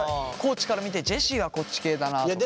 地から見てジェシーはこっち系だなとか。